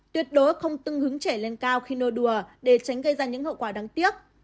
tuyệt đối không tưng hứng trẻ lên cao khi nô đùa để tránh gây ra những hậu quả đáng tiếc